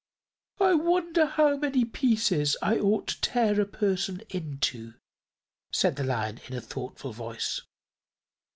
"I wonder how many pieces I ought to tear a person into," said the Lion, in a thoughtful voice.